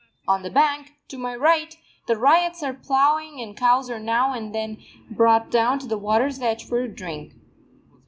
On the bank, to my right, the ryots are ploughing and cows are now and then brought down to the water's edge for a drink.